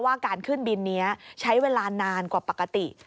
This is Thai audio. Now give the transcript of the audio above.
ว่าการขึ้นบินนี้ใช้เวลานานกว่าปกติ